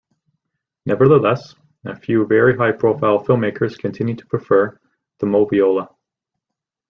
Nevertheless, a few very high-profile filmmakers continue to prefer the Moviola.